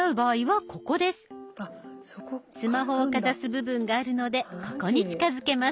スマホをかざす部分があるのでここに近づけます。